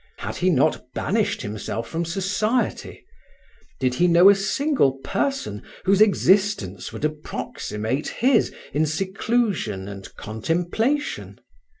Had he not banished himself from society? Did he know a single person whose existence would approximate his in seclusion and contemplation?